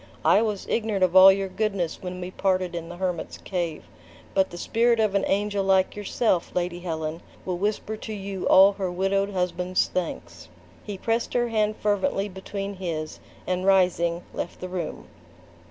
I was ignorant of all your goodness, when we parted in the hermit's cave. But the spirit of an angel like yourself, Lady Helen, will whisper to you all her widowed husband's thanks." He pressed her hand fervently between his, and rising, left the room.